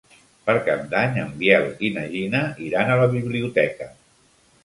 Per Cap d'Any en Biel i na Gina iran a la biblioteca.